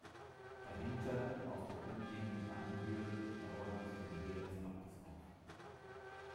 Dahinter und auf den umliegenden Anhöhen lauerten sie dem Heer des Abtes auf.